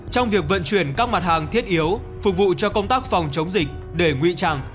trong việc vận chuyển các mặt hàng thiết yếu phục vụ cho công tác phòng chống dịch để ngụy trang